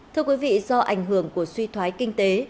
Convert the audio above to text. thưa quý vị do ảnh hưởng của suy thoái kinh tế